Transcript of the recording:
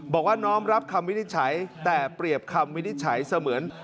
บอกว่าน้อมรับคำวินิจฉัยแต่เปรียบคำวินิจฉัยเสมือน